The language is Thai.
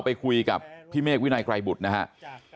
ไปคุยกับพี่เมฆวินัยไกรบุตรนะครับ